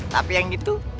tapi yang gitu